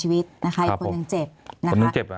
มีความรู้สึกว่ามีความรู้สึกว่ามีความรู้สึกว่า